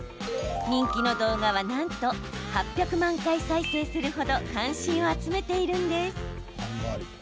人気の動画はなんと８００万回再生する程関心を集めているんです。